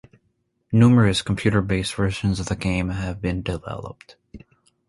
Numerous computer based versions of the game have been developed.